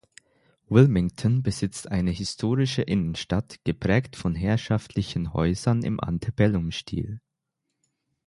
Wilmington besitzt eine historische Innenstadt, geprägt von herrschaftlichen Häusern im Antebellum-Stil.